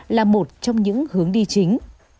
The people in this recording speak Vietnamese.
là một trong những hướng đi chính